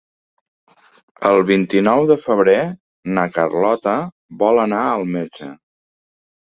El vint-i-nou de febrer na Carlota vol anar al metge.